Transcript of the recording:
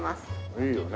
いいよね。